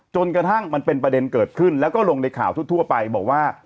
จนกระทั่งมันเป็นประเด็นเกิดขึ้นแล้วก็ลงในข่าวทั่วไปบอกว่า